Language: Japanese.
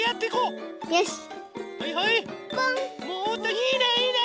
いいねいいね！